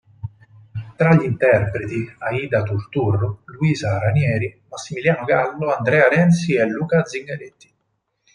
Tra gli interpreti Aida Turturro, Luisa Ranieri, Massimiliano Gallo, Andrea Renzi e Luca Zingaretti.